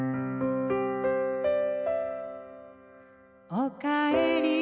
おかえり